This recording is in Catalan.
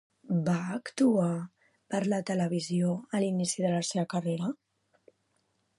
Va actuar per la televisió a l'inici de la seva carrera?